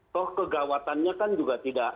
toh kegawatannya kan juga tidak